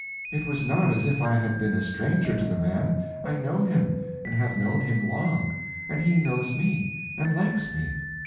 It was not as if I had been a stranger to the man. I know him, and have known him long; and he knows me, and likes me.